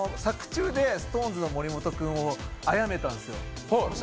作中でＳｉｘＴＯＮＥＳの森本君をあやめたんですよ。